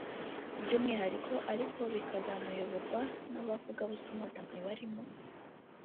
By’umwihariko ariko bikazanayoborwa n’abavugabutumwa batandukanye barimo